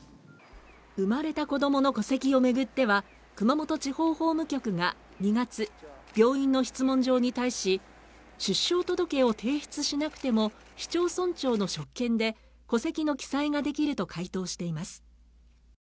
生まれた子供の戸籍をめぐっては熊本地方法務局が２月病院の質問状に対し出生届を提出しなくても市町村長の職権で戸籍の記載ができると回答しています